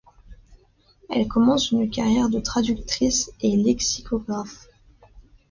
Elle commence une carrière de traductrice et lexicographe.